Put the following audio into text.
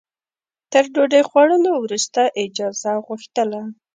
تر ډوډۍ خوړلو وروسته اجازه غوښتله.